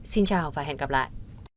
xin chào và hẹn gặp lại